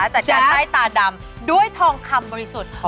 จากการใต้ตาดำด้วยทองคำบริสุทธิ์